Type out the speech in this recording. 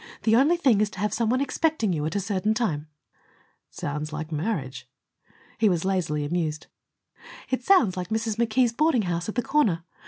The only thing is to have some one expecting you at a certain time." "It sounds like marriage." He was lazily amused. "It sounds like Mrs. McKee's boarding house at the corner.